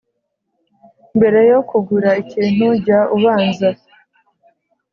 Mbere yo kugura ikintu jya ubanza